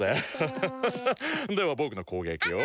ハハハハではぼくのこうげきを。